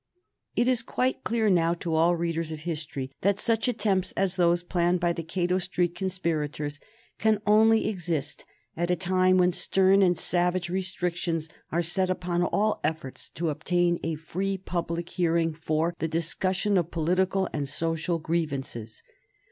It is quite clear now to all readers of history that such attempts as those planned by the Cato Street conspirators can only exist at a time when stern and savage restrictions are set upon all efforts to obtain a free public hearing for the discussion of political and social grievances.